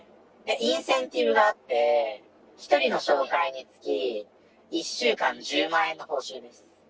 インセンティブがあって、１人の紹介につき、１週間１０万円の報酬です。